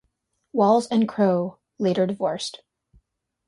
Walls and Crowe later divorced.